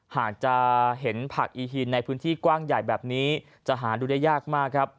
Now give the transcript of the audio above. หากจะเห็นผักอีฮีนในพื้นที่กว้างใหญ่แบบนี้จะหาดูได้ยากมากครับ